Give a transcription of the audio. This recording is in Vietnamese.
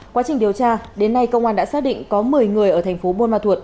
quá trình điều tra đến nay công an đã xác định có một mươi người ở thành phố buôn ma thuột